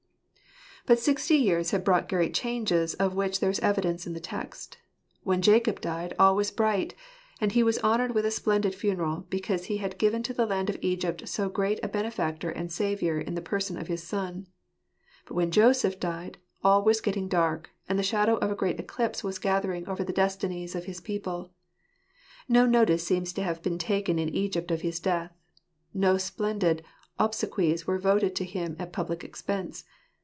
But sixty years had brought great changes of which there is evidence in the text. When Jacob died all was bright ; and he was honoured with a splendid funeral, because he had given to the land of Egypt so great a benefactor and saviour in the person of his son; but when Joseph died, all was getting dark, and the shadow of a great eclipse was gathering over the destinies of bis people. No notice seems to have been taken in Egypt of his death. No splendid obsequies were voted to him at public expense.